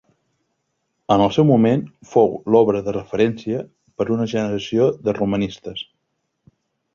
En el seu moment fou l'obra de referència per a una generació de romanistes.